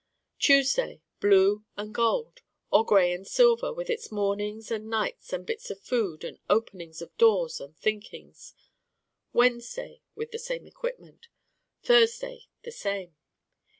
Tuesday, blue and gold or gray and silver, with its mornings and nights and bits of food and openings of doors and thinkings: Wednesday with the same equipment: Thursday the same.